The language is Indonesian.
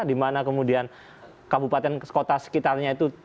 dimana kemudian kabupaten kota sekitarnya itu